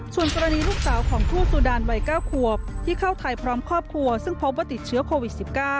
ซึ่งพบว่าติดเชื้อโควิด๑๙